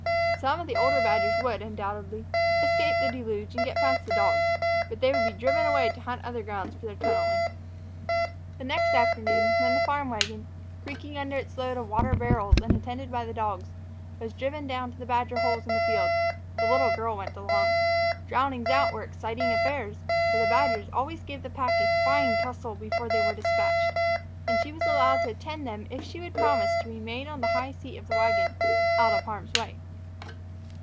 Some of the old badgers would, undoubtedly, escape the deluge and get past the dogs, but they would be driven away to hunt other ground for their tunneling. The next afternoon, when the farm wagon, creaking under its load of water barrels and attended by the dogs, was driven down to the badger holes in the field, the little girl went along. Drownings out were exciting affairs, for the badgers always gave the pack a fine tussle before they were despatched; and she was allowed to attend them if she would promise to remain on the high seat of the wagon, out of harm's way.